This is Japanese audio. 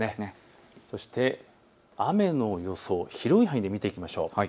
雨の予想、広い範囲で見ていきましょう。